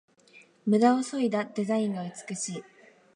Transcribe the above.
ムダをそいだデザインが美しい